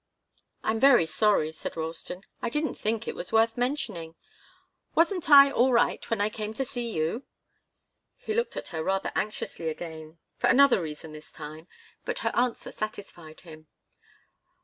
"I'm very sorry," said Ralston. "I didn't think it was worth mentioning. Wasn't I all right when I came to see you?" He looked at her rather anxiously again for another reason, this time. But her answer satisfied him.